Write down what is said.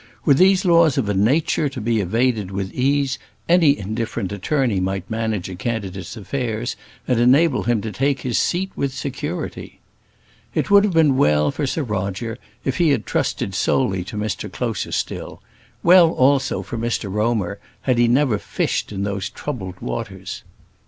Were these laws of a nature to be evaded with ease, any indifferent attorney might manage a candidate's affairs and enable him to take his seat with security. It would have been well for Sir Roger if he had trusted solely to Mr Closerstil; well also for Mr Romer had he never fished in those troubled waters.